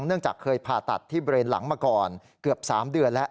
เนื่องจากเคยผ่าตัดที่เบรนหลังมาก่อนเกือบ๓เดือนแล้ว